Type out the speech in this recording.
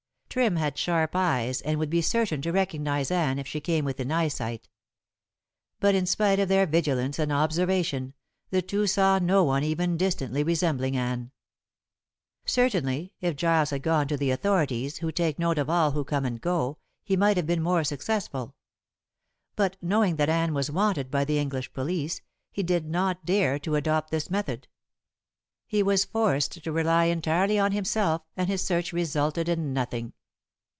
Trim had sharp eyes, and would be certain to recognize Anne if she came within eyesight. But in spite of their vigilance and observation, the two saw no one even distantly resembling Anne. Certainly if Giles had gone to the authorities, who take note of all who come and go, he might have been more successful. But knowing that Anne was wanted by the English police, he did not dare to adopt this method. He was forced to rely entirely on himself, and his search resulted in nothing.